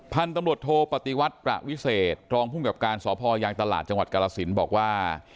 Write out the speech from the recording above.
พันธุ์ตำรวจโทปฏิวัติประวิเศษรองภูมิกับการสพยางตลาดจังหวัดกรสินบอกว่า